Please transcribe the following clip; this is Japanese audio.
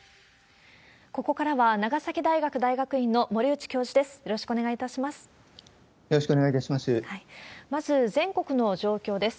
ここからは、長崎大学大学院の森内教授です。